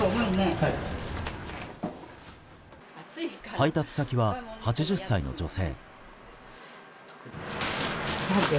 配達先は８０歳の女性。